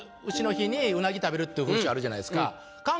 食べるって風習あるじゃないですか。